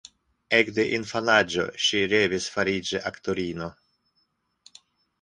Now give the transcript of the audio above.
Ekde infanaĝo ŝi revis fariĝi aktorino.